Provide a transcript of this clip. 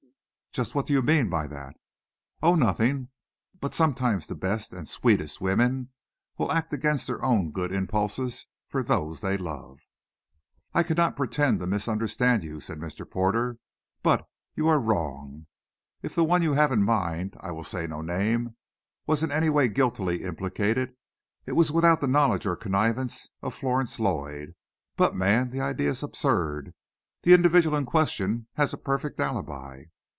"Just what do you mean by that?" "Oh, nothing. But sometimes the best and sweetest women will act against their own good impulses for those they love." "I cannot pretend to misunderstand you," said Mr. Porter. "But you are wrong. If the one you have in mind I will say no name was in any way guiltily implicated, it was without the knowledge or connivance of Florence Lloyd. But, man, the idea is absurd. The individual in question has a perfect alibi."